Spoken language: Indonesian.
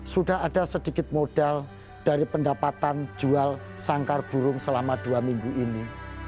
sudah ada sedikit modal dari pendapatan jual sangkar burung selama dua minggu ini